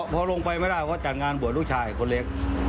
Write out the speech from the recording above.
พอลงไปไม่ได้เพราะจัดงานบวชลูกชายคนเล็ก